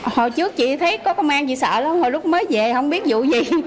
hồi trước chị thấy có công an gì sợ lắm hồi lúc mới về không biết vụ gì